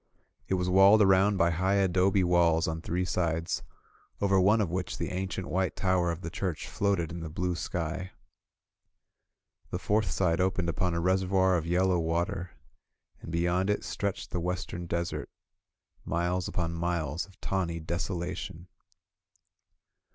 It was walled around by high adobe walls on three sides, over one of which the ancient white tower of the church floated in the blue sky. The fourth side opened upon a reservoir of yellow water, and be yond it stretched the western desert, miles upon miles of tawny desolation.